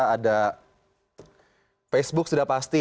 ada facebook sudah pasti